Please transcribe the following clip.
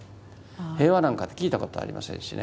平和なんか聞いたことありませんしね。